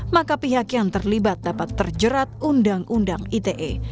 maka pihak yang terlibat dapat terjerat undang undang ite